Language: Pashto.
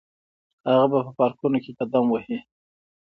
هغه به په پارکونو کې قدم وهي.